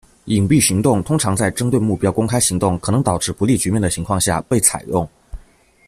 隐蔽行动通常在针对目标公开行动可能导致不利局面的情况下被采用。